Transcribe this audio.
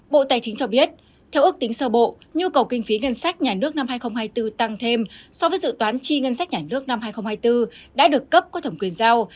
bộ tài chính cho biết theo ước tính sơ bộ nhu cầu kinh phí ngân sách nhà nước năm hai nghìn hai mươi bốn tăng thêm so với dự toán chi ngân sách nhà nước năm hai nghìn hai mươi bốn đã được cấp có thẩm quyền giao